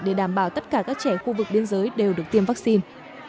để đảm bảo tất cả các trẻ khu vực biên giới đều được tiêm vaccine